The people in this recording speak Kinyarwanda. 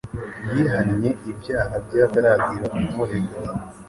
Yihannye ibyaha bye hataragira umurega.